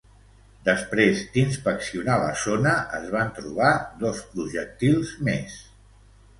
Després d'inspeccionar la zona, es van trobar dos projectils més.